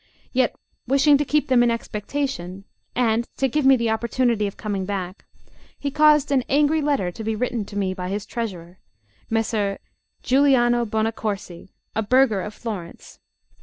Yet, wishing to keep them in expectation, and to give me the opportunity of coming back, he caused an angry letter to be written to me by his treasurer, Messer Giuliano Buonaccorsi, a burgher of Florence.